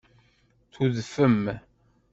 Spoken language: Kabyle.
Tudfem.